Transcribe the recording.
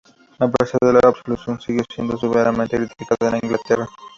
A pesar de la absolución, siguió siendo severamente criticado en Inglaterra.